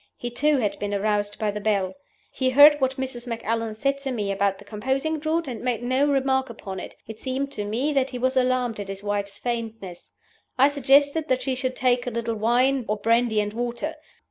He too had been aroused by the bell. He heard what Mrs. Macallan said to me about the composing draught, and made no remark upon it. It seemed to me that he was alarmed at his wife's faintness. I suggested that she should take a little wine, or brandy and water.